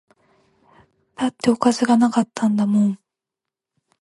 だっておかずが無かったんだもん